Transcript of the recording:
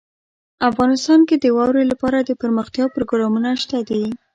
افغانستان کې د واورې لپاره دپرمختیا پروګرامونه شته دي.